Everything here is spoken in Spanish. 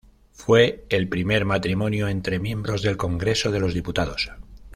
Fue el primer matrimonio entre miembros del Congreso de los Diputados.